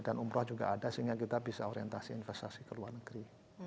dan umroh juga ada sehingga kita bisa orientasi investasi ke luar negeri